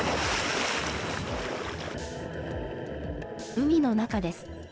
海の中です。